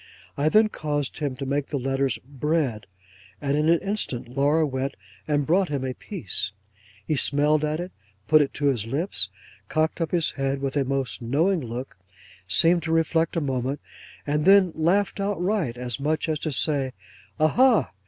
I then caused him to make the letters bread, and in an instant Laura went and brought him a piece: he smelled at it; put it to his lips; cocked up his head with a most knowing look; seemed to reflect a moment; and then laughed outright, as much as to say, "Aha!